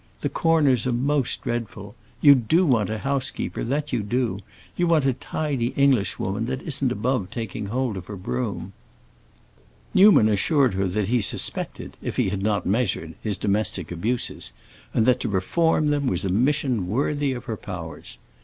The corners are most dreadful. You do want a housekeeper, that you do; you want a tidy Englishwoman that isn't above taking hold of a broom." Newman assured her that he suspected, if he had not measured, his domestic abuses, and that to reform them was a mission worthy of her powers.